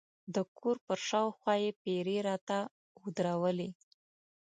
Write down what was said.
د کور پر شاوخوا یې پیرې راته ودرولې.